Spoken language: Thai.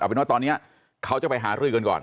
เป็นว่าตอนนี้เขาจะไปหารือกันก่อน